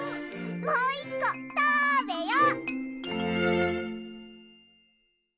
もう１こたべよ！